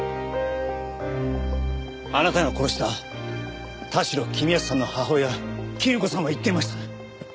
あなたが殺した田代公康さんの母親絹子さんは言っていました。